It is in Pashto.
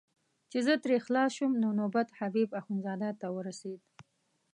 چې زه ترې خلاص شوم نو نوبت حبیب اخندزاده ته ورسېد.